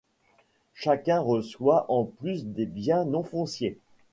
Chacun reçoit, en plus des biens non fonciers.